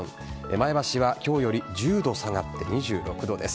前橋は今日より１０度下がって２６度です。